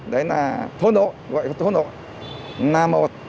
đấy là thôn đội gọi là thôn đội là một